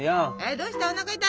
どうした？